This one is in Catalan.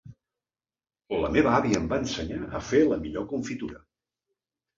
La meva àvia em va ensenyar a fer la millor confitura.